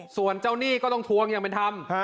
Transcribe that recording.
ส่วนเจ้าหนี้ก็ต้องทวงอย่างเป็นธรรม